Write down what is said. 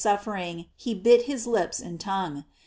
Buffering he bit his lips and tongue.